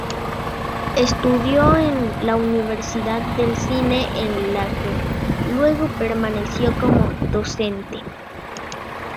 Estudió en la Universidad del Cine en la que luego permaneció como docente.